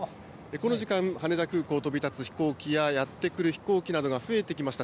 この時間、羽田空港を飛び立つ飛行機や、やって来る飛行機などが増えてきました。